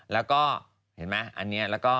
แล้วก็เห็นไหมอันนี้แล้วก็